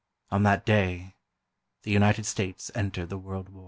On that day, the United States entered the World War.